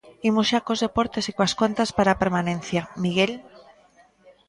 Imos xa cos deportes, e coas contas para a permanencia, Miguel.